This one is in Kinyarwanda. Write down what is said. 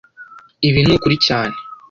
Ibi ni ukuri cyane.